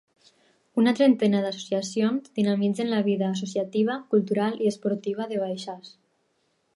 Una trentena d'associacions dinamitzen la vida associativa, cultural i esportiva de Baixàs.